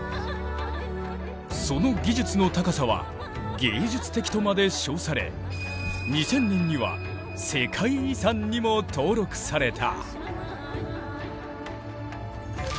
その技術の高さは芸術的とまで称され２０００年には世界遺産にも登録された。